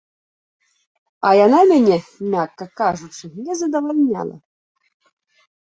І яна мяне, мякка кажучы, не задавальняла.